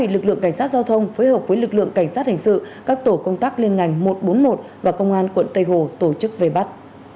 lượng cảnh sát hành sự các tổ công tác liên ngành một trăm bốn mươi một và công an quận tây hồ tổ chức về bắt